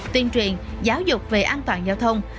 tuyên truyền giáo dục về an toàn giao thông